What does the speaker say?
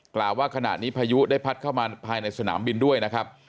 กล่าวว่าขณะนี้พายุได้พัดเข้ามาภายในสนามบินด้วยนะครับ